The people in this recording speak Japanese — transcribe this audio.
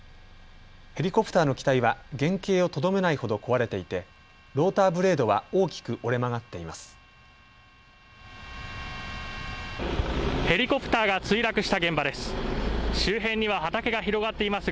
ヘリコプターの機体は原形をとどめないほど壊れていてローターブレードは大きく折れ曲がっています。